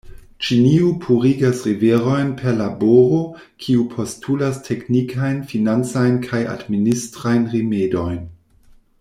Ĉinio purigas riverojn per laboro, kiu postulas teknikajn, financajn kaj administrajn rimedojn.